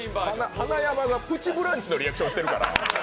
花山が「プチブランチ」のリアクションしてるから。